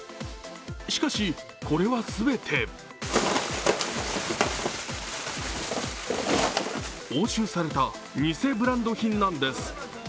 しかし、これは全て押収された偽ブランド品なんです。